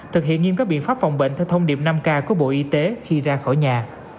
thực hiện nghiêm các biện pháp phòng bệnh theo thông điệp năm k của bộ y tế khi ra khỏi nhà